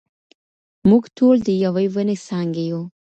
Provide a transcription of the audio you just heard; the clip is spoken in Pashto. موږ ټول د يوې وني څانګي يو.